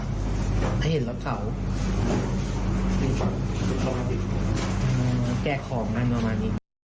ถ้าเห็นละเขาแก้ของงานประมาณนี้